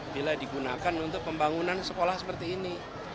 bila digunakan untuk pembangunan sekolah seperti ini